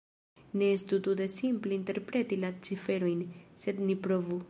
Ne estas tute simple interpreti la ciferojn, sed ni provu.